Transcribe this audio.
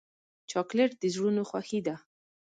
چاکلېټ د زړونو خوښي ده.